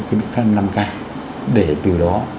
cái bệnh thân năm k để từ đó